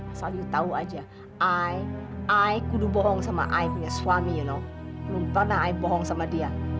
asal tahu aja i i kudu bohong sama ipunya suami you know belum pernah i bohong sama dia